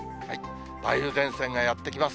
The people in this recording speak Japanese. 梅雨前線がやって来ます。